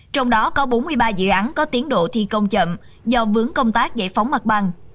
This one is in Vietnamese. trong đó có bốn mươi ba dự án có tiến độ thi công chậm do vướng công tác giải phóng mặt bằng